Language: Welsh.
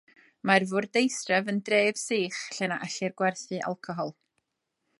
Mae'r fwrdeistref yn dref sych lle na ellir gwerthu alcohol.